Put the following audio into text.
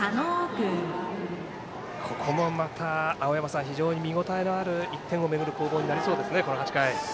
ここも、また非常に見応えのある１点をめぐる攻防になりそうですね。